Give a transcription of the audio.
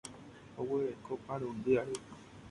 Oguereko parundy ary.